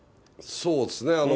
そうですね。